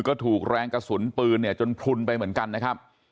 ก็ถูกแรงกระสุนปืนเนี่ยจนพลุนไปเหมือนกันนะครับ